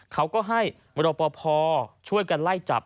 เขาก็ให้รพช่วยก่อนไล่จับ